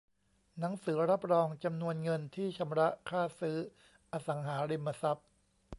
หนังสือรับรองจำนวนเงินที่ชำระค่าซื้ออสังหาริมทรัพย์